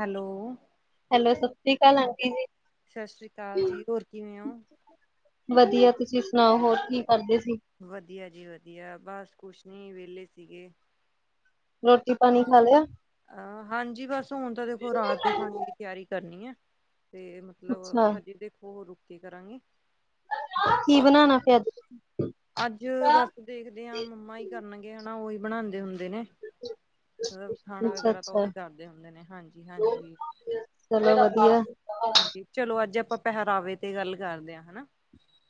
Hello. Hello ਸਤਿ ਸ਼੍ਰੀ ਕਾਲ ਆਂਟੀ ਜੀ। ਸਤਿ ਸ੍ਰੀ ਕਾਲ ਜੀ। ਹੋਰ ਕਿਵੇਂ ੳਂ? ਵਧੀਆ, ਤੁਸੀਂ ਸੁਣਾਓ ਹੋਰ ਕੀ ਕਰਦੇ ਸੀ। ਵਧੀਆ ਜੀ ਵਧੀਆ ਬਸ ਕੁਛ ਨੀ ਵੇਲੇ ਸੀਗੇ। ਰੋਟੀ ਪਾਣੀ ਖਾ ਲਿਆ। ਅਹ ਹਾਂਜੀ ਬਸ ਹੁਣ ਤਾਂ ਦੇਖੋ ਰਾਤ ਦੇ ਖਾਣੇ ਦੀ ਤਿਆਰੀ ਕਰਨੀ ਏ ਤੇ ਮਤਲਬ ਅੱਛਾ ਹਜੇ ਦੇਖੋ ਰੁਕ ਕੇ ਕਰਾਂਗੇ। ਕੀ ਬਣਾਣਾ ਫੇਰ ਅੱਜ ਤੁਸੀ। ਅੱਜ ਬਸ ਦੇਖਦੇ ਆਂ ਮੰਮਾ ਈ ਕਰਨਗੇ ਹਨਾ ਉਈ ਬਣਾਦੇ ਹੁੰਦੇ ਨੇ। ਮਤਲਬ ਖਾਣਾ ਅੱਛਾ ਵਗ਼ੈਰਾ ਤਾਂ ਅੱਛਾ ਉਹੀ ਕਰਦੇ ਹੁੰਦੇ ਨੇ। ਹਾਂਜੀ-ਹਾਂਜੀ ਚਲੋ ਵਧੀਐ। ਹਾਂਜੀ ਚਲੋ ਅੱਜ ਆਪਾਂ ਪਹਿਰਾਵੇ ਤੇ ਗੱਲ ਕਰਦੇ ਹਾਂ ਹਨਾ,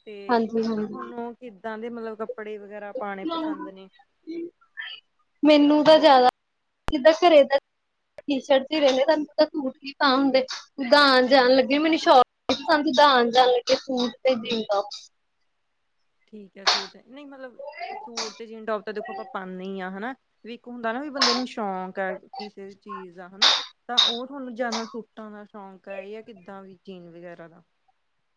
ਤੇ ਹਾਂਜੀ ਮਤਲਬ ਹਾਂਜੀ ਤੁਹਾਨੂੰ ਕਿੱਦਾਂ ਦੇ ਮਤਲਬ ਕੱਪੜੇ ਵਗੈਰਾ ਪਾਣੇ ਪਸੰਦ ਨੇ। ਮੈਨੂੰ ਤਾਂ ਜ਼ਾਦਾ ਜਿਦਾ ਸਰੇ ਦਾ- ਟੀ ਸ਼ਰਟ ਚ ਰੋਂਦੇ ਆਂ, ਤੁਹਾਨੂੰ ਪਤਾ ਸੂਟ ਨੀ ਪਾ ਹੁੰਦੇ। ਜਿਦਾ ਆਣ-ਜਾਣ ਲੱਗੇ ਸੋਰਟ ਨੀ ਪਸੰਦ, ਜਿਦਾ ਆਣ ਜਾਣ ਲੱਗੇ ਸੂਟ ਤੇ ਜੀਨ ਟੋਪ। ਠੀਕ ਏ ਸੂਟ ਤੇ, ਨਈ ਮਤਲਬ ਸੂਟ ਤੇ ਜੀਨ ਟੋਪ ਤਾਂ ਦੇਖੋ ਆਪਾਂ ਪਾਂਨੇ ਈ ਆਂ ਹਨਾ। ਵੀ ਇੱਕ ਹੁੰਦਾ ਨਾ ਵੀ ਬੰਦੇ ਨੂੰ ਸ਼ੌਕ ਐ, ਕਿਸੇ ਚੀਜ਼ ਦਾ ਹਨਾ। ਤਾਂ ਉਹ ਤੁਹਾਨੂੰ ਜਾਦਾ ਸੂਟਾਂ ਦਾ ਸ਼ੌਂਕ ਏ, ਜਾਂ ਕਿੱਦਾਂ ਵੀ ਜੀਨ ਵਗੈਰਾ ਦਾ।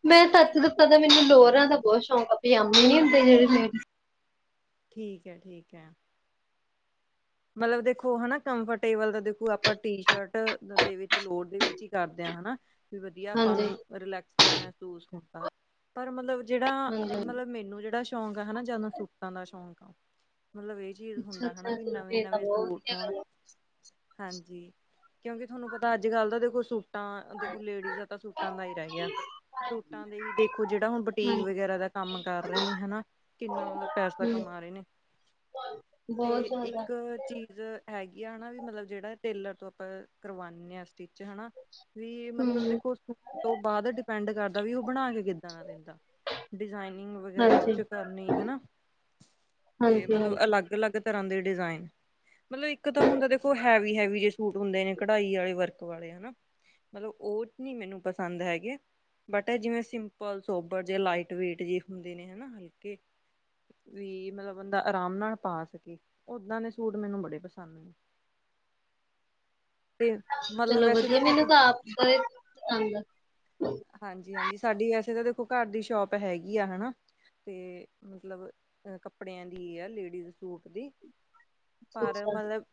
ਮੈਂ ਸੱਚ ਦਸਾ ਤਾਂ ਮੈਨੂੰ ਲੋਰਾਂ ਦਾ ਬੋਤ ਸ਼ੌਂਕ ਆਂ ਪਜਾਮੇ ਨੀ ਹੁੰਦੇ ਜੇੜੇ ਲੇਡੀਸ ਠੀਕ ਐ, ਠੀਕ ਐ। ਮਤਲਬ ਦੇਖੋ ਹਨਾ ਕੰਫਰਟੇਬਲ ਦਾ ਦੇਖੋ ਆਪਾਂ ਟੀ ਸ਼ਰਟ ਦੇ ਵਿੱਚ ਲੋਯਰ ਦੇ ਵਿੱਚ ਈ ਕਰਦੇ ਆਂ ਹਨਾ। ਵੀ ਵਧੀਆ ਆਪਾਂ ਹਾਂਜੀ ਨੂੰ ਰਿਲੈਕਸ ਜਿਹਾ ਮਹਿਸੂਸ ਹੁੰਦੈ। ਪਰ ਮਲਬ ਜੇੜਾ ਹਾਂਜੀ ਮਲਬ ਮੈਨੂੰ ਜੇੜਾ ਸ਼ ਸ਼ੌਂਕ ਆ ਹਨਾ ਜਾਦਾ ਸੂਟਾਂ ਦਾ ਸ਼ੌਂਕ ਆ। ਮਲਬ ਏ ਚੀਜ਼ ਹੁੰਦਾ ਹਨਾ ਅੱਛਾ-ਅੱਛਾ ਵੀ ਨਵੇਂ ਫੇਰ ਤਾਂ ਨਵੇ ਬਹੁਤ ਸੂਟ ਵਧੀਆ ਹੋਨ ਗੱਲ ਐ। ਹਾਂਜੀ। ਕਿਉਂਕਿ ਤੁਹਾਨੂੰ ਪਤਾ ਅੱਜ ਕੱਲ ਤਾਂ ਦੇਖੋ ਸੂਟ ਟਾਂ ਦੇਖੋ ਲੇਡੀਜ ਦਾ ਤਾਂ ਸੂਟਾਂ ਦਾ ਈ ਰੈ ਗਿਆ। ਸੂਟਾਂ ਦੇ ਈ ਦੇਖੋ ਜੇੜਾ ਹੁਣ ਬੁਟੀਕ ਹਾਂਜੀ, ਵਗੈਰਾ ਦਾ ਕੰਮ ਕਰ ਰਹੇ ਨੇ ਹਨਾ ਕਿੰਨਾ ਮਤਲਬ ਪੈਸਾ ਕਮਾ ਰਹੇ ਨੇ। ਤੇ ਬੋਤ ਜ਼ਾਦਾ। ਇੱਕ ਚੀਜ਼ ਹੈਗੀ ਆ ਹਨਾ ਵੀ ਮਤਲਬ ਜੇੜਾ ਟੇਲਰ ਤੋਂ ਆਪਾਂ ਕਰਵਾਨੇ ਆਂ ਸਟਿਚ ਹਨਾ ਵੀ ਮਤਲਬ ਹੂੰ, ਦੇਖੋ ਤੋਂ ਬਾਦ ਡਿਪੈਂਡ ਕਰਦਾ ਵੀ ੳ ਬਣਾ ਕੇ ਕਿੱਦਾਂ ਦਾ ਦਿਂਦਾ। ਡਿਜ਼ਾਇਨਿੰਗ ਵਗੈਰਾ ਹਾਂਜੀ। ੳਚੋ ਕਰਨੀ ਹਨਾ, ਤੇ ਮਲਬ ਹਾਂਜੀ-ਹਾਂਜੀ, ਅਲੱਗ ਅਲੱਗ ਤਰ੍ਹਾਂ ਦੇ ਡਿਜ਼ਾਇਨ ਮਤਲਬ ਇੱਕ ਤਾਂ ਹੁੰਦਾ ਦੇਖੋ ਹੈਵੀ- ਹੈਵੀ ਜੇ ਸੂਟ ਹੁੰਦੇ ਨੇ ਕਢਾਈ ਵਾਲੇ ਵਰਕ ਵਾਲੇ। ਹਨਾ। ਮਤਲਬ ਉਹ ਨੀ ਮੈਨੂੰ ਪਸੰਦ ਹੈਗੇ। ਬਟ ਜਿਵੇਂ ਸਿੰਪਲ ਸੋਬਰ ਜੇ ਲਾਈਟ ਵੇਟ ਜੇ ਹੁੰਦੇ ਨੇ ਹਨਾ ਹਲਕੇ। ਵੀ ਮਤਲਬ ਬੰਦਾ ਆਰਾਮ ਨਾਲ ਪਾ ਸਕੇ ਓਦਾਂ ਨੇ। ਸੂਟ ਮੈਨੂੰ ਬੜੇ ਪਸੰਦ ਨੇ। ਤੇ ਮਤਲਬ ਚਲੋ ਵੈਸੇ ਤਾਂ ਵਧੀਆ ਮੈਨੂੰ ਸਾਡੇ ਆਪ ਦਾ ਇਹ ਪਸੰਦ ਆ। ਹਾਂਜੀ- ਹਾਂਜੀ। ਸਾਡੀ ਵੈਸੇ ਤਾਂ ਦੇਖੋ ਘਰ ਦੀ ਸ਼ੋਪ ਹੈਗੀ ਆ ਹਨਾ। ਤੇ ਮਤਲਬ ਆ ਕੱਪੜਿਆਂ ਦੀ ਆ ਲੇਡੀਜ਼ ਸੂਟ ਦੀ। ਅੱਛਾ, ਪਰ ਅੱਛਾ। ਮਤਲਬ,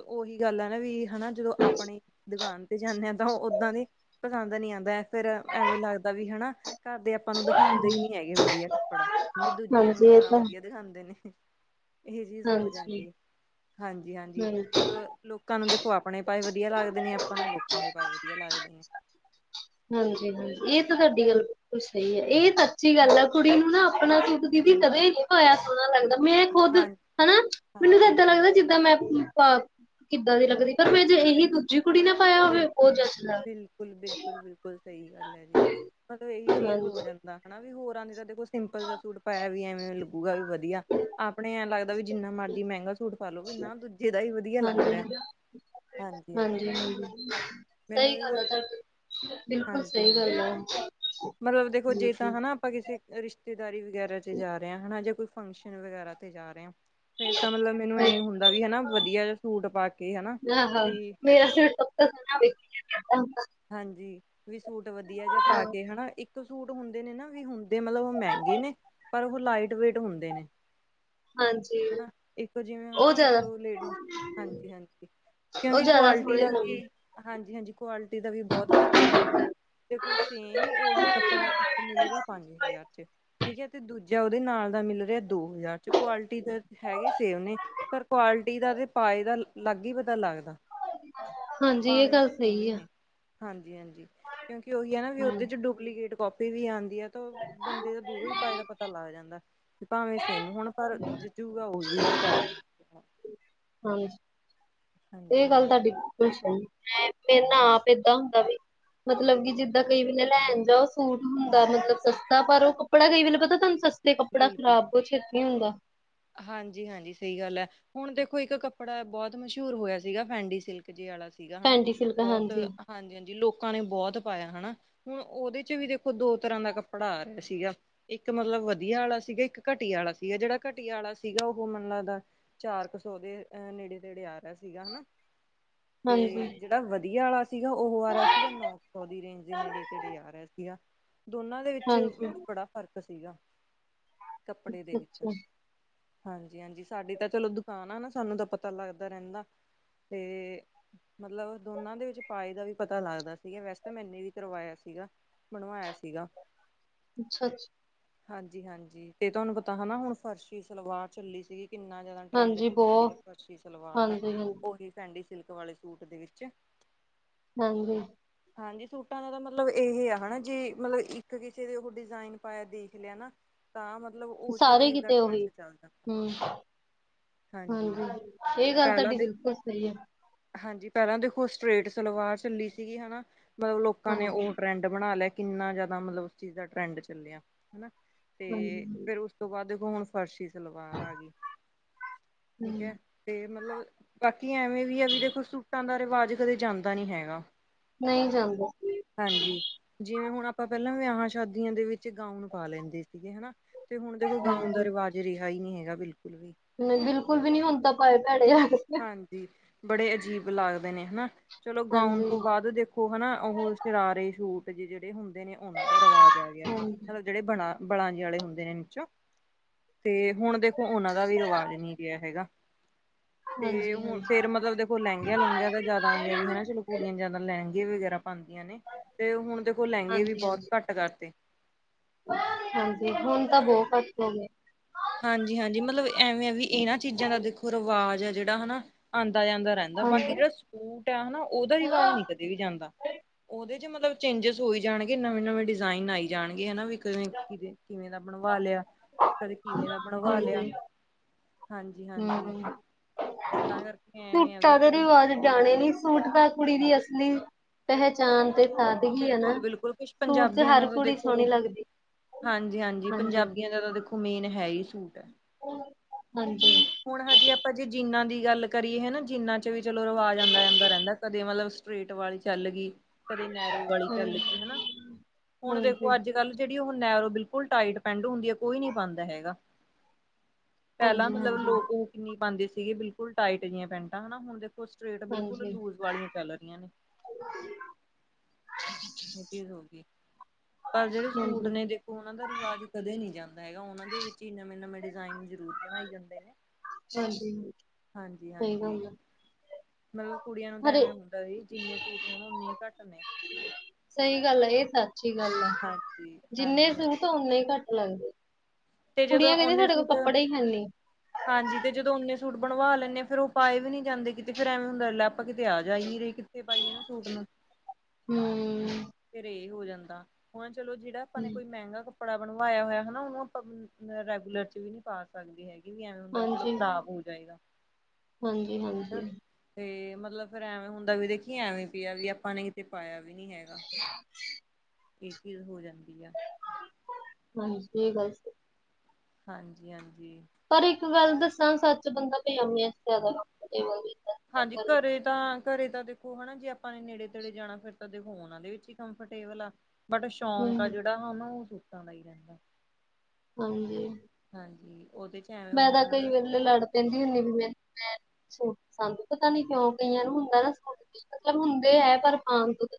ਉਹੀ ਗੱਲ ਹੈ ਨਾ ਵੀ। ਹਨਾ, ਜਦੋਂ ਆਪਣੀ ਦੁਕਾਨ ਤੇ ਜਾਂਦੇ ਹਾਂ ਤਾਂ ਉਹ ਓਦਾਂ ਦੀ ਪਸੰਦ ਨੀ ਆਦਾਂ ਐ ਫਿਰ ਐਵੇਂ ਲੱਗਦਾ ਵੀ ਹਨਾ। ਘਰਦੇ ਆਪਾਂ ਨੂੰ ਦਿਖਾਂਦੇ ਈ ਨੀ ਹੈਗੇ ਵਦੀਆ ਕੱਪੜਾ, ਵੀ ਦੂਜਿਆਂ ਨੂੰ ਹਾਂਜੀ ਇਹ ਜ਼ਿਆਦਾ ਤਾਂ ਹੈ। ਵਦੀਆ। ਦਿਖਾਂਦੇ ਨੇ ਇਹ ਚੀਜ਼ ਹੋ ਹਾਂਜੀ, ਜਾਂਦੀ ਏ, ਹਾਂਜੀ-ਹਾਂਜੀ ਹਾਂਜੀ। ਮਤਲਬ। ਲੋਕਾਂ ਨੂੰ ਦੇਖੋ ਆਪਣੇ ਪਾਏ ਵਦੀਆ ਲੱਗਦੇ ਨੇ, ਆਪਾਂ ਨੂੰ ਲੋਕਾਂ ਦੇ ਪਾਏ ਵਦੀਆ ਲੱਗਦੇ ਨੇ। ਹਾਂਜੀ-ਹਾਂਜੀ, ਇਹ ਤਾਂ ਤੁਆਡੀ ਗੱਲ ਬਿਲਕੁਲ ਸਈ ਐ ਇਹ ਤਾਂ। ਸੱਚੀ ਗੱਲ ਹਾਂਜੀ ਐ ਕੁੜੀ ਨੂੰ ਨਾ ਆਪਣਾ ਸੂਟ ਦੀਦੀ ਕਦੇ ਬਿਲਕੁਲ ਨੀ ਪਾਇਆ ਸੋਹਣਾ ਲੱਗਦਾ। ਮੈਂ ਖੁਦ ਹਾਂਜੀ ਹਨਾ। ਮੈਨੂੰ ਤਾਂ ਹਾਂਜੀ ਏਦਾਂ ਹਾਂਜੀ ਲੱਗਦਾ ਜਿੱਦਾਂ ਮੈਂ ਕਿੱਦਾਂ ਦੀ ਲੱਗਦੀ ਪਰ ਮੇ ਜੇ ਇਹੀ ਦੂਜੀ ਕੁੜੀ ਨੇ ਪਾਇਆ ਹੋਵੇ ਬਿਲਕੁਲ ਉਹ ਜਚਦਾ। ਸਈ ਗੱਲ ਐ ਜੀ, ਮਤਲਬ ਇਹੀ ਚੀਜ਼ ਹੋ ਹਾਂਜੀ ਜਾਂਦਾ ਹਨਾ ਵੀ ਹੋਰਾਂ ਦੀ ਤਾਂ ਦੇਖੋ ਸਿੰਪਲ ਜਾ ਸੂਟ ਪਾਇਆ ਵੀ ਐਵੇਂ ਲੱਗੂਗਾ ਵੀ ਵਦੀਆ, ਆਪਣੇ ਐਂ ਲੱਗਦਾ ਵੀ ਜਿੰਨਾ ਮਰਜ਼ੀ ਮਹਿੰਗਾ ਸੂ ਸੂਟ ਪਾਲੋ ਵੀ ਨਾ ਦੂਜੇ ਦਾ ਹੀ ਵਦੀਆ ਲੱਗ ਰਿਐ। ਹਾਂਜੀ ਹਾਂਜੀ-ਹਾਂਜੀ। [inaudible] ਮੈਨੂੰ ਵੀ ਗੱਲ ਆ ਬਸ। ਤੁਹਾਡੀ ਬਿਲਕੁਲ ਸਹੀ ਹਾਂਜੀ-ਹਾਂਜੀ। ਗੱਲ ਆ ਮਤਲਬ ਦੇਖੋ ਜੇ ਤਾਂ ਬਿਲਕੁਲ। ਹਨਾ। ਆਪਾਂ ਕਿਸੀ ਰਿਸ਼ਤੇਦਾਰੀ ਵਗੈਰਾ ਚ' ਜਾ ਰਏ ਆ ਹਨਾ ਜਾਂ ਕੋਈ ਫੰਕਸ਼ਨ ਵਗੈਰਾ ਤੇ ਜਾ ਰਏ ਆ। ਫੇਰ ਤਾਂ ਮਤਲਬ ਮੈਨੂੰ ਐਈ ਹੁੰਦਾ ਵੀ ਹਨਾ ਵਧੀਆ ਜਾ ਸੂਟ ਪਾ ਕੇ ਹਨਾ। ਆਹੋ ਵੀ ਮੇਰਾ ਸਿਰ ਤੋਂ। [unintelligible] ਹਾਂਜੀ। ਵੀ ਸੂਟ ਵਧੀਆ ਜਾ ਪਾ ਕੇ ਹਨਾ ਇੱਕ ਸੂਟ ਹੁੰਦੇ ਨੇ ਨਾ ਵੀ ਹੁੰਦੇ ਮਤਲਬ ਓ ਮਹਿੰਗੇ ਈ ਨੇ, ਪਰ ਉਹ ਲਾਈਟ ਵੇਟ ਹੁੰਦੇ ਨੇ। ਹਾਂਜੀ ਹਨਾ। ਇੱਕ ਜਿਵੇਂ ਉਹ ਹਨਾ ਜ਼ਿਆਦਾ ਚਲੋ ਲੇਡੀਜ਼, ਹਾਂਜੀ-ਹਾਂਜੀ। ਉਹ ਕਿਉਂਕਿ ਜ਼ਿਆਦਾ ਕੁਆਲਿਟੀ ਸੋਹਣੇ ਦਾ ਵੀ, ਲੱਗਦੇ ਹਾਂਜੀ-ਹਾਂਜੀ। ਕੁਆਲਿਟੀ ਦਾ ਵੀ ਬਹੁਤ ਫ਼ਰਕ ਹੁੰਦਾ ਹਨਾ। ਦੇਖੋ ਸੇਮ ਉਹੀ ਕੱਪੜਾ ਇੱਕ ਮਿਲ ਰਿਆ ਪੰਜ ਹਜ਼ਾਰ ਚ' ਠੀਕ ਏ, ਤੇ ਦੂਜਾ ਦੂਜਾ ਉਹਦੇ ਨਾਲ ਦਾ ਮਿਲ ਰਿਆ ਦੋ ਹਜ਼ਾਰ ਚ' ਕੁਆਲਿਟੀ ਦਾ ਤਾਂ ਹੈਗੇ ਸੇਮ ਨੇ। ਪਰ ਕੁਆਲਿਟੀ ਦਾ ਤੇ ਪਾਏ ਦਾ ਲੱਗ ਈ ਪਤਾ ਲੱਗਦਾ। ਹਾਂਜੀ, ਇਹ ਭਾਵੇਂ ਗੱਲ ਉਹ ਸੇਮ ਹੀ ਸਈ ਐ। ਨੇ ਹਾਂਜੀ-ਹਾਂਜੀ। ਕਿਉਂਕਿ ਉਹੀ ਐ ਨਾ ਵੀ ਹਮ ਉਹਦੇ ਚ' ਡੁਪਲੀਕੇਟ ਕਾਪੀ ਵੀ ਆਦੀਂ ਐ ਤਾਂ ਬੰਦੇ ਦਾ ਦੂਰੋਂ ਈ ਪਾਏ ਦਾ ਪਤਾ ਲੱਗ ਜਾਂਦਾ। ਭਾਵੇਂ ਸੇਮ ਹੋਣ ਪਰ, ਜਚੂਗਾ ਉਹੀ ਜਿਹੜਾ ਜ਼ਿਆਦਾ ਹਾਂਜੀ। ਇਹ ਗੱਲ ਤੁਆਡੀ ਹਾਂਜੀ-ਹਾਂਜੀ ਬਿਲਕੁਲ ਸਈ ਐ। ਮੈਂ, ਮੇਰੇ ਨਾਲ ਆਪ ਏਦਾਂ ਹੁੰਦਾ ਵੀ। ਮਤਲਬ ਕਿ ਜਿੱਦਾਂ ਕਈ ਵੇਲੇ ਲੈਣ ਜਾਓ ਸੂਟ ਹੁੰਦਾ ਮਤਲਬ ਸਸਤਾ ਪਰ ਉਹ ਕੱਪੜਾ ਕਈ ਵੇਲੇ ਪਤਾ ਤੁਹਾਨੂੰ ਸਸਤਾ ਤੇ ਕੱਪੜਾ ਖਰਾਬ ਬਹੁਤ ਛੇਤੀ ਹੁੰਦਾ। ਹਾਂਜੀ-ਹਾਂਜੀ, ਸਈ ਗੱਲ ਐ। ਹੁਣ ਦੇਖੋ ਇੱਕ ਕੱਪੜਾ ਬਹੁਤ ਮਸ਼ਹੂਰ ਹੋਇਆ ਸੀਗਾ ਫੈਂਡੀ ਸਿਲਕ ਜੇ ਆਲਾ ਸੀ। ਸੀਗਾ ਹਨਾ। ਫੈਂਟੀ ਸਿਲਕ ਬਹੁਤ ਹਾਂਜੀ ਹਾਂਜੀ-ਹਾਂਜੀ, ਲੋਕਾਂ ਨੇ ਬਹੁਤ ਪਾਇਆ ਹਨਾ। ਹੁਣ ਉਹਦੇ ਚ ਵੀ ਦੇਖੋ ਦੋ ਤਰਾਂ ਦਾ ਕੱਪੜਾ ਆ ਗੇਆ ਸੀਗਾ। ਇੱਕ ਮਤਲਬ ਵਦੀਆ ਆਲਾ ਸੀਗਾ, ਇੱਕ ਘਟੀਆ ਆਲਾ ਸੀਗਾ, ਜੇਹੜਾ ਘਟੀਆ ਆਲਾ ਸੀਗਾ ਉਹ ਮੈਨੂੰ ਲਗਦਾ ਚਾਰ ਕ ਸੌ ਦੇ ਅ ਨੇੜੇ-ਤੇੜੇ ਆ ਰਿਆ ਸੀਗਾ ਹਨਾ ਤੇ ਹਾਂਜੀ ਜੇ ਜਿਹੜਾ ਵਦੀਆ ਆਲਾ ਸੀਗਾ, ਉਹ ਆ ਰਿਆ ਸੀਗਾ ਨੌ ਕ ਸੌ ਦੀ ਰੇਂਜ ਦੇ ਨੇੜੇ-ਤੇੜੇ ਆ ਰਿਆ ਸੀਗਾ ਦੋਨਾਂ ਦੋਨਾਂ ਦੇ ਵਿੱਚ ਹਾਂਜੀ ਮਤਲਬ ਬੜਾ ਫ਼ਰਕ ਸੀਗਾ ਕੱਪੜੇ ਦੇ ਅੱਛਾ ਵਿੱਚ ਅੱਛਾ ਹਾਂਜੀ-ਹਾਂਜੀ, ਸਾਡੀ ਤਾਂ ਚਲੋ ਦੁਕਾਨ ਆ ਨਾ ਸਾਨੂੰ ਤਾਂ ਪਤਾ ਲੱਗਦਾ ਰਹਿੰਦਾ ਤੇ ਮਤਲਬ, ਦੋਨਾਂ ਦੇ ਵਿੱਚ ਪਾਏ ਦਾ ਵੀ ਪਤਾ ਲੱਗਦਾ ਸੀਗਾ ਵੈਸੇ ਤਾਂ ਮੈਂਨੇ ਵੀ ਕਰਵਾਇਆ ਸੀਗਾ। ਬਣਵਾਇਆ ਸੀਗਾ। ਅੱਛਾ ਅੱਛਾ ਹਾਂਜੀ-ਹਾਂਜੀ, ਤੇ ਤੁਹਾਨੂੰ ਪਤਾ ਹਨਾ ਹੁਣ ਫਰਸ਼ੀ ਸਲਵਾਰ ਚੱਲੀ ਸੀਗੀ। ਕਿੰਨਾ ਜਿਆਦਾ ਟਰੈਂਡ ਹਾਂਜੀ ਚੱਲਿਆ ਸੀਗਾ ਬਹੁਤ ਫਰਸ਼ੀ ਸਲਵਾਰ ਦਾ ਹਾਂਜੀ ਹਾਂਜੀ ਉਹੀ ਫੈਂਡੀ ਸਿਲਕ ਵਾਲੇ ਸੂਟ ਦੇ ਵਿੱਚ। ਹਾਂਜੀ। ਹਾਂਜੀ, ਸੂਟਾਂ ਦਾ ਤਾਂ ਮਤਲਬ ਇਹ ਆ ਹਨਾ, ਜੇ ਮਤਲਬ ਇੱਕ ਕਿਸੇ ਦੇ ਉਹ ਡਿਜ਼ਾਇਨ ਪਾਇਆ ਦੇਖ ਲਿਆ ਨਾ, ਤਾਂ ਮਤਲਬ ਓਸੇ ਚੀਜ਼ ਦਾ ਓ, ਹੀ, ਟਰੈਂਡ ਚੱਲਦਾ ਹੁ, ਹਾਂਜੀ ਹੁਹੁ, ਇਹ ਗੱਲ ਪਹਿਲਾਂ ਤਾਡੀ ਦੇ ਬਿਲਕੁਲ ਸਈ ਐ। ਹਾਂਜੀ ਪਹਿਲਾਂ ਦੇਖੋ ਸਟਰੇਟ ਸਲਵਾਰ ਚੱਲੀ ਸੀਗੀ ਹਨਾ, ਮਤਲਬ ਲੋਕਾਂ ਨੇ ਹਾਂਜੀ। ਉਹ ਟ੍ਰੈਂਡ। ਬਣਾ ਲਿਆ, ਕਿੰਨਾ ਜ਼ਿਆਦਾ ਮਤਲਬ ਉਸ ਚੀਜ਼ ਦਾ ਟਰੈਂਡ ਚੱਲਿਆ ਹਨਾ ਤੇ ਹਾਂਜੀ, ਹਾਂਜੀ। ਫਿਰ ਉਸ ਤੋਂ ਬਾਅਦ ਦੇਖੋ ਹੁਣ ਫਰਸ਼ੀ ਸਲਵਾਰ ਆ ਗਈ, ਹੂੰ ਠੀਕ ਐ। ਤੇ ਮਤਲਬ ਬਾਕੀ ਐਵੇਂ, ਵੀ, ਆ, ਵੀ ਦੇਖੋ ਸੂਟਾਂ ਦਾ ਰਿਵਾਜ ਕਦੇ ਜਾਂਦਾ ਨੀ ਹੈਗਾ। ਨਈ ਜਾਂਦਾ। ਹਾਂਜੀ, ਜਿਵੇਂ ਹੁਣ ਆਪਾਂ ਪੇਲਾਂ ਵਿਆਹਾਂ ਸ਼ਾਦੀਆਂ ਦੇ ਵਿੱਚ ਗਾਊਨ ਪਾ ਲੈਂਦੇ ਸੀਗੇ ਹਨਾ ਤੇ ਹੁਣ ਦੇਖੋ ਗਾਉਣ ਦਾ ਹਾਂਜੀ। ਰਿਵਾਜ ਰਿਹਾ ਹੀ ਨਹੀਂ ਹੈਗਾ ਬਿਲਕੁਲ ਵੀ। ਨਈ ਬਿਲਕੁਲ ਵੀ ਨੀ ਹੁਨ ਤਾ ਪਾਏ ਭੈੜੇ ਆ ਗਏ। ਹਾਂਜੀ ਬੜੇ ਅਜੀਬ ਲੱਗਦੇ ਨੇ ਹਨਾ, ਚਲੋ ਗਾਉਣ ਹਾਂਜੀ, ਤੋਂ ਬਾਅਦ ਦੇਖੋ। ਓ ਹਨਾ, ਉਹ ਸ਼ਰਾਰੇ ਸੂਟ ਜੇ ਜਿਹੜੇ ਹੁੰਦੇ ਨੇ, ਉਹਨਾਂ ਦਾ ਰਿਵਾਜ ਆ ਗਿਆ ਹਾਂਜੀ, ਹਾਂਜੀ। ਹ, ਜਿਹੜੇ ਬਣਾ ਬਲਾਂਜੇ ਵਾਲੇ ਹੁੰਦੇ ਨੇ ਵਿਚੋਂ, ਤੇ ਹੁਣ ਦੇਖੋ ਉਹਨਾਂ ਦਾ ਵੀ ਰਿਵਾਜ ਨੀ। ਗੇਆ ਹੈਗਾ। ਤੇ ਹਾਂਜੀ, ਹੁਣ ਹਾਂਜੀ। ਫੇਰ ਮਤਲਬ ਦੇਖੋ ਲਹਿੰਗਿਆਂ ਲੂੰਘਿਆ ਦਾ ਜ਼ਾਦਾ ਆ ਗਿਆ ਵੀ ਹਨਾ ਚਲੋ ਕੁੜੀਆਂ ਜਿਆਦਾ ਪਰ ਲਹਿੰਗੇ ਵਗੈਰਾ ਪਾਉਂਦੀਆਂ ਨੇ, ਫੇਰ ਹੁਣ ਦੇਖੋ ਲਹਿੰਗੇ ਵੀ ਬੋਤ ਘੱਟ ਕਰਤੇ। ਹਾਂਜੀ ਹੁਣ ਤਾਂ ਮਤਲਬ ਬੋਤ ਕੁਛ ਹੋ ਗੇਆ। ਹਾਂਜੀ- ਹਾਂਜੀ ਮਤਲਬ ਐਵੇਂ ਆ ਵੀ ਏਹਨਾਂ ਚੀਜ਼ਾਂ ਦਾ ਦੇਖੋ ਰਿਵਾਜ ਹੈ ਜੇੜਾ ਹਨਾ ਆਂਦਾ ਜਾਂਦਾ ਰਹਿ। ਦਾ ਬਾਕੀ ਹਾਂਜੀ, ਜਿਹੜਾ ਸੂਟ ਆ ਹਨਾ ਓਹਦਾ ਰਿਵਾਜ਼ ਨਈ ਕਦੇ ਵੀ ਜਾਂਦਾ। ਓਹਦੇ ਚ ਮਤਲਬ ਚੇਂਜਸ ਹੋਈ ਜਾਣਗੇ, ਨਵੇਂ -ਨਵੇਂ ਡਿਜ਼ਾਇਨ ਆਈ ਜਾਣਗੇ ਹਨਾ ਕਿਵੇਂ ਦਾ ਬਣਵਾ ਲਿਆ, ਕਦੇ ਕਿਵੇਂ ਦਾ ਬਣਵਾ ਹਾਂਜੀ, ਲਿਆ, ਹਾਂਜੀ- ਹਾਂਜੀ। ਤਾਂ ਕਰਕੇ ਐਵੇਂ ਆ ਵੀ ਸੂਟਾ ਦੇ ਚਲੋ ਰਿਵਾਜ ਜਾਣੇ ਨੀ। ਸੂਟ ਤਾ ਕੁੜੀ ਦੀ ਅਸਲੀ ਪਹੇਚਾਣ ਤੇ ਸ਼ਾਨ। ਹੈਗੀ ਹਨਾ, ਬਿਲਕੁਲ ਬਿਲਕੁਲ ਕੁਛ ਸੂਟ ਚ ਪੰਜਾਬੀਆਂ ਦਾ ਹਰ ਤਾਂ ਕੁੜੀ ਦੇਖੋ ਸੋਹਣੀ ਲੱਗਦੀ। ਹਾਂਜੀ -ਹਾਂਜੀ ਪੰਜਾਬੀਆਂ ਦਾ ਤਾਂ ਦੇਖੋ ਮੇਨ ਹੈ ਈ ਸੂਟ ਆ। ਹਾਂਜੀ। ਹੁਣ ਹਜੇ ਆਪਾਂ ਜੇ ਜਿਨਾਂ ਦੀ ਗੱਲ ਕਰੀਏ ਨਾ, ਜਿਨਾਂ ਚ ਵੀ ਚਲੋ ਰਿਵਾਜ ਆਂਦਾ ਜਾਂਦਾ ਰੈਂਦਾ ਕਦੇ ਮਤਲਬ ਸਰੇਟ ਵਾਲੀ ਚੱਲ ਗਈ, ਕਦੇ ਨੈਰੋ ਵਾਲੀ ਹਾਂ ਚੱਲ ਗਈ ਹਨਾ, ਹੁਣ ਹਾਂਜੀ ਦੇਖੋ ਅੱਜ ਕੱਲ। ਜੇਹੜੀ ਓਹ ਨੇਰੋ ਬਿਲਕੁਲ ਟਾਈਟ ਪੈਂਟ ਹੁੰਦੀ ਆ, ਕੋਈ ਨੀ ਪਾਂਦਾ ਹੈਗਾ। ਪਹਿਲਾਂ ਹਾਂਜੀ -ਹਾਂਜੀ। ਮਤਲਬ ਲੋਕ ਉਹ ਕਿੰਨੀ ਪਾਂਦੇ ਸੀਗੇ ਬਿਲਕੁਲ ਟਾਈਟ ਜੇਈਆਂ ਪੈਂਟਾਂ ਹਨਾ ਹੁਣ ਦੇੋ ਹੁਣ ਸਟਰੇਟ ਬਿਲਕੁਲ ਹਾਂਜੀ ਲੂਜ ਵਾਲੀਆਂ ਚੱਲ ਰਈਆਂ ਨੇ। [inaudible] ਏ ਚੀਜ਼ ਹੋ ਗਈ, ਪਰ ਜੇਹੜੇ ਸੂਟ ਹਾਂਜੀ ਨੇ ਦੇ ਓਹਨਾਂ ਦਾ ਰਿਵਾਜ ਕਦੇ ਨੀ ਜਾਂਦਾ ਹੈਗਾ ਓਹਨਾਂ ਦੇ ਵਿੱਚ ਹੀ ਨਵੇਂ-ਨਵੇਂ ਡਿਜ਼ਾਇਨ ਜ਼ਰੂਰ ਬਣਾਏ ਜਾਂਦੇ ਨੇ। ਹਾਂਜੀ ਸਹੀ ਹਾਂਜੀ-ਹਾਂਜੀ। ਗੱਲ ਆ ਮਤਲਬ ਕੁੜੀਆਂ ਨੂੰ ਤਾਂ ਹਰੇ ਐਵੇਂ ਹੁੰਦਾ ਵੀ ਜਿੰਨੇ ਸੂਟ ਹੋਣ ਓੱਨੇ ਹੀ ਘੱਟ ਨੇ। ਸਹੀ ਗੱਲ ਹੈ ਏਹ ਸੱਚ ਹੀ ਗੱਲ ਆ, ਹਾਂਜੀ ਜਿੰਨੇ ਹਾਂਜੀ ਹਾਂਜੀ ਸੂਟ ਓੱਨੇ ਈ ਘੱਟ ਲੱਗਦੇ। ਤੇ ਜਦੋਂ ਕੁੜੀਆਂ ਕਹਿੰਦੀਆਂ ਓਨੇ ਸਾਡੇ ਕੋਲ ਸੂਟ ਕੱਪੜੇ ਈ ਹੈਨੀ। ਹਾਂਜੀ ਤੇ ਜਦੋਂ ਓਨੇ ਸੂਟ ਬਣਵਾ ਲੈਂਣੇ ਆਂ ਫੇਰ ਉ ਪਾਏ ਵੀ ਨੀ ਜਾਂਦੇ, ਕਿਤੇ ਫੇਰ ਐਵੇਂ ਹੁੰਦਾ ਲੈ ਆਪਾਂ ਕਿਤੇ ਆ ਜਾ ਈ ਨੀ ਰੇ। ਕਿੱਥੇ ਪਾਈਏ ਇਨਾ ਸੂਟ ਨੂੰ। ਹੂੰ ਫੇਰ ਏ ਹੋ ਜਾਂਦਾ ਹੁਣ ਚਲੋ ਜੇਹੜਾ ਆਪਾਂ ਨੇ ਕੋਈ ਮੈਹੰਗਾ ਕਧ ਕੱਪੜਾ ਬਣਵਾਆ ਹੋਆ ਹੈਨਾ ਓਨੂੰ ਆਪਾਂ, ਰੈਗੂਲਰ ਚ ਵੀ ਨੀ ਪਾ ਸਕਦੀ ਹੈਗੀ। ਵੀ ਐਵੇਂ ਹੁੰਦਾ ਵੀ ਚਲੋ ਹਾਂਜੀ ਖ਼ਰਾਬ ਹੋ ਜਾਏਗਾ, ਹਾਂਜੀ ਹੈਨਾ। ਹਾਂਜੀ ਤੇ ਮਤਲਬ ਫੇਰ ਐਵੇਂ ਹੁੰਦਾ ਵੀ ਦੇਖੀਏ ਐਵੇਂ ਪੇਆ ਵੀ ਆਪਾਂ ਨੇ ਕਿਤੇ ਪਾਆ ਵੀ ਨੀ ਹੈਗਾ। ਸ। ਏਹ ਚੀਜ਼ ਹੋ ਜਾਂਦੀ ਆ। ਹਾਂਜੀ ਏ ਗੱਲ ਸ ਹਾਂਜੀ-ਹਾਂਜੀ। ਪਰ ਇੱਕ ਗੱਲ ਦੱਸਾਂ ਸੱਚ ਬੰਦਾ ਪਜਾਮੇਆਂ ਚ ਜਯਾਦਾ। [unintelligible] ਹਾਂਜੀ ਘਰੇ ਤਾਂ ਘਰੇ ਤਾਂ ਦੇਖੋ ਹੈਨਾ ਜੇ ਆਪਾਂ ਨੇ ਨੇੜੇ-ਤੇੜੇ ਜਾਣਾ, ਫੇਰ ਤਾਂ ਦੇਖੋ ਓਹਨਾਂ ਦੇ ਵਿੱਚ ਹੀ ਕੰਫਰਟੇਬਲ ਆ। ਬਟ ਸ਼ੌਕ ਆ ਹਮ ਜੇਹੜਾ ਓਹਨੂੰ ਓ ਸੂਟਾਂ ਦਾ ਈ ਰਹਿੰਦਾ। ਹਾਂਜੀ। ਹਾਂਜੀ ਓਦੇ ਚ ਐਵੇਂ ਮੈਂ ਤਾਂ ਹੁੰਦਾ ਕਈ ਹਨਾ ਵਾਰੀ ਲ-ਲੜ ਕੈਹਂਦੀ ਹੁੰਦੀ ਵੀ ਮੈਂ-ਮੈਂ ਸੂਟ ਪਸੰਦ ਪਤਾ ਨੀ ਕਿਉਂ ਉਸ ਕਈਆਂ ਨੂੰ ਹੁੰਦਾ ਨਾ ਸੂਟ ਮਤਲਬ ਹੁੰਦੇ ਹੈ ਪਰ ਕਾਨ ਤੋ [unintelligible]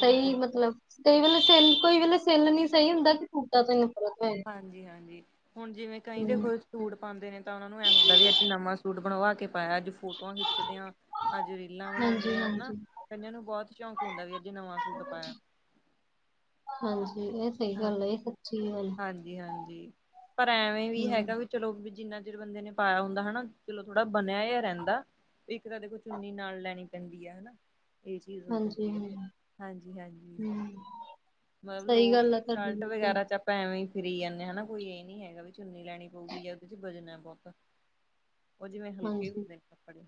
ਸਹੀ ਮਤਲਬ, ਕਈ ਵੇਲੇ ਸਿਲ ਕੋਈ ਵੇਲੇ ਸਿੱਲ ਨੀ ਸਹੀ ਹੁੰਦਾ ਕਿ ਸੂਟਾਂ ਦਾ [unintelligible] ਹਾਂਜੀ-ਹਾਂਜੀ ਹੁਣ ਜਿਵੇਂ ਕਈ ਦੇਖੋ ਸੂਟ ਪਾਂਦੇ ਨੇ ਤਾਂ ਉਹਨਾਂ ਨੂੰ ਐ ਹੁੰਦਾ ਵੀ ਅੱਜ ਨਵਾਂ ਸੂਟ ਬਣਵਾ ਕੇ ਪਾਇਆ ਅੱਜ ਫੋਟੋਆਂ ਖਿੱਚਦੇਂ ਆਂ। ਆਜੋ ਰੀਲਾਂ ਹਾਂਜੀ ਬਣਾਂਦੇ ਐਨਾ, ਹਾਂਜੀ ਕਈਆਂ ਨੂੰ ਬਹੁਤ ਸ਼ੌਂਕ ਹੁੰਦਾ ਵੀ ਅੱਜ ਨਵਾਂ ਸੂਟ ਪਾਇਐ। ਹਾਂਜੀ ਏ ਸਹੀ ਗੱਲ ਹੈ, ਏਹ਼ ਸੱਚੀ ਗੱਲ ਜੀ ਹਾਂਜੀ, ਪਰ ਐਵੇਂ ਵੀ ਹਮ ਹੈਗਾ ਵੀ ਚਲੋ ਵੀ ਜਿੰਨਾ ਚਿਰ ਬੰਦੇ ਨੇ ਪਾਇਆ ਹੁੰਦਾ ਹੈਨਾ ਚਲੋ ਥੋੜ੍ਹਾ ਬਣਿਆ ਜੇਹਾ ਰੈਹੰਦਾ ਇੱਕ ਤਾਂ ਦੇਖੋ ਚੁੰਨੀ ਨਾਲ ਲੈਣੀ ਪੈਂਦੀ ਹੈ ਹੈਨਾ। ਏਹ ਚੀਜ਼ ਹੋ ਹਾਂਜੀ ਜਾਂਦੀ ਹੈ, ਹਾਂਜੀ ਹਾਂਜੀ-ਹਾਂਜੀ ਹਮ ਮਤਲਬ ਸਹੀ ਲੋਟ ਗੱਲ ਆ ਟੀ ਤੁਹਾਡੀ ਸ਼ਰਟ ਬਿਲਕੁਲ ਵਗੈਰਾ ਚ ਆਪਾਂ ਐਵੀਂ ਫਿਰੀ ਜਾਂਣੇ ਆਂ ਹੈਨਾ ਕੋਈ ਏਹ ਨੀ ਹੈਗਾ ਵੀ ਚੁੰਨੀ ਲੈਣੀ ਪਊਗੀ ਜਾਂ ਉਦੇ 'ਚ ਵਜ਼ਨ ਐ ਬਹੁਤਾ। ਓਹ ਜਿਵੇਂ ਹਲਕੇ ਹੁੰਦੇ ਹਾਂਜੀ ਨੇ‌ ਕੱਪੜੇ।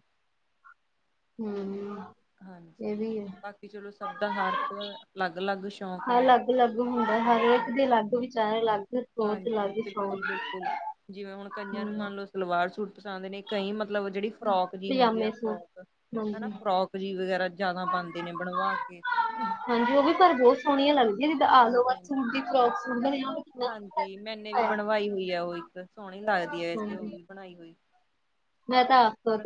ਹੂੰ। ਹਾਂਜੀ ਬਾਕੀ ਚਲੋ ਸਭ ਦਾ ਹਰ ਏਕ ਦਾ ਅਲੱਗ-ਅਲੱਗ ਸ਼ੌਕ ਹੁੰਦਾ ਅਲੱਗ-ਅਲੱਗ ਹੁੰਦੈ, ਹਾਂਜੀ ਹਰੇਕ ਦੇ ਅਲੱਗ ਵਿਚਾਰ, ਅਲੱਗ ਸੋਚ, ਹਾਂਜੀ ਅਲੱਗ ਸ਼ੌਕ ਬਿਲਕੁਲ ਬਿਲਕੁਲ ਜਿਵੇਂ ਹੁਣ ਕਈਆਂ ਨੂੰ ਮੰਨ ਲੋ ਸਲਵਾਰ ਸੂਟ ਪਸੰਦ ਨੇ, ਕਈ ਮਤਲਬ ਜੇਹੜੀ ਫਰੋਕ ਜੀ ਹੁੰਦੀ ਆ ਪਜਾਮੇ ਸੂਟ ਫਰੋਕ ਹੈਨਾ ਹਾਂਜੀ ਫਰੋਕ ਜੀ ਵਗੈਰਾ ਜਾਦਾ ਪਾਂਦੇ ਨੇ ਬਣਵਾ ਕੇ, ਹੈਨਾ ਨੀ ਪਰ ਬੋਤ ਸੋਣੀਆਂ ਲੱਗਦੀਆਂ। ਜਿੱਦਾਂ ਆਲ ਓਵਰ ਹਾਂਜੀ ਸੂਟ ਦੀ ਫਰੋਕ ਸੀਂਦੇ ਨੇ ਨਾ। ਹਾਂਜੀ। ਮੈਨੇ ਵੀ ਬਣਵਾਈ ਹੋਈ ਆ ਓ ਇੱਕ ਸੋਣੀ ਲੱਗਦੀ ਐ ਵੈਸੇ ਓ ਹਾਂਜੀ ਵੀ ਬਣਾਈ ਹੋਈ। ਮੈਂ ਤਾਂ ਆਪ। ਪਰ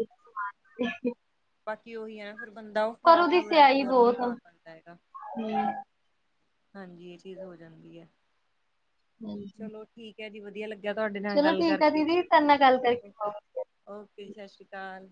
ਬਾਕੀ ਓਹੀ ਐ ਨਾ ਫਿਰ ਬੰਦਾ ਓ ਪਰ ਔਦੀ ਸਿਆਈ ਬੋਤ ਆ। ਹੂੰ। ਹਾਂਜੀ। ਏ ਚੀਜ਼ ਹੋ ਜਾਂਦੀ ਐ। ਹੂੰ। ਚਲੋ, ਠੀਕ ਐ ਜੀ ਵਧੀਆ ਲੱਗੇਆ ਤੁਹਾਡੇ ਨਾਲ ਗੱਲ ਠੀਕ ਆ ਕਰਕੇ। ਦੀਦੀ ਤੁਹਾਡੇ ਨਾਲ ਗੱਲ ਕਰਕੇ ਹੂੰ। ਬਹੁਤ ਓਕੇ ਜੀ, ਸਤਿ ਸ਼੍ਰੀ ਅਕਾਲ।